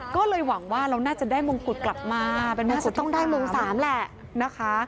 ก็เลยหวังว่าเราน่าจะได้มงกุฎกลับมาเป็นมงกุฎต้องได้มง๓แหละนะคะ